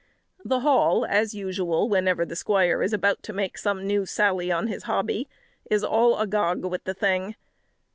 The Hall, as usual, whenever the squire is about to make some new sally on his hobby, is all agog with the thing.